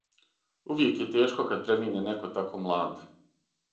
Увијек је тешко кад премине неко тако млад.